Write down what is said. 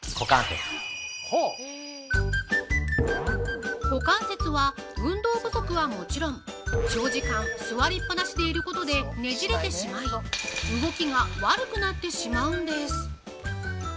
◆股関節は、運動不足はもちろん長時間座りっぱなしでいることでねじれてしまい、動きが悪くなってしまうんです。